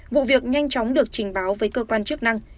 vụ việc nhanh chóng được trình báo với cơ quan chức năng